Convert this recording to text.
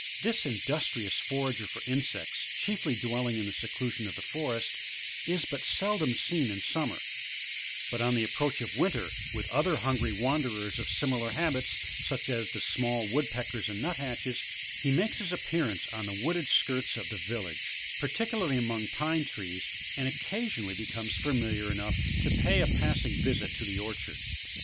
This industrious forager for insects, chiefly dwelling in the seclusion of the forest, is but seldom seen in summer ; but on the approach of winter, with other hungry wanderers of similar habits, such as the small Woodpeckers and Nuthatches, he makes his appearance on the wooded skirts of the village, particularly ^mong pine trees, and occeisionally becomes familiar enough to pay a passing visit to the orchard.